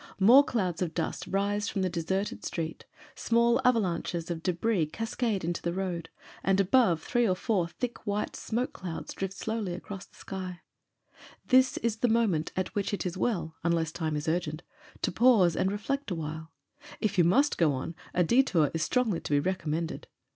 More clouds of dust rise from the deserted street, small avalanches of de bris cascade into the road, and, above, three or four thick white smoke clouds drift slowly across the sky. PROLOGUE XV This is the moment at which it is well — unless time is urgent — ^to pause and reflect awhile. If you mtist go on, a detour is strongly to be recommended.